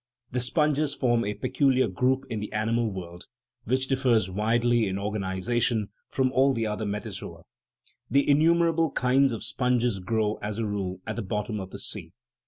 The sponges form a peculiar group in the animal world, which differs widely in organization from all the other metazoa. The innumerable kinds of sponges grow, as a rule, at the bottom of the sea.